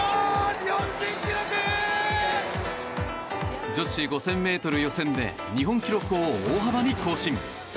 日本新記録！女子５０００ｍ予選で日本記録を大幅に更新。